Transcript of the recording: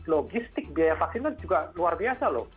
logistik biaya vaksin kan juga luar biasa loh